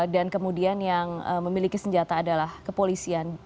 dan kemudian yang memiliki senjata adalah kepolisian